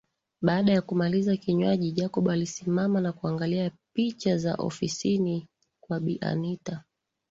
Baada ya kumaliza kinywaji Jacob alisimama na kuangalia picha za ofisini kwa bi anita